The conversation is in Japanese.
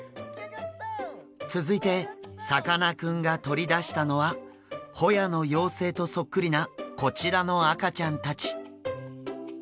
続いてさかなクンが取り出したのはホヤの幼生とそっくりなこちらの赤ちゃんたち。